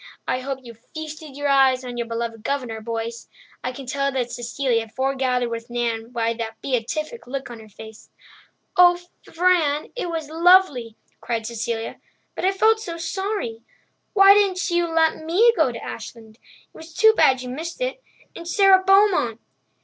"I hope you feasted your eyes on your beloved Governor, boys. I can tell that Cecilia forgathered with Nan by the beatific look on her face." "Oh, Fran, it was lovely!" cried Cecilia. "But I felt so sorry—why didn't you let me go to Ashland? It was too bad you missed it—and Sara Beaumont."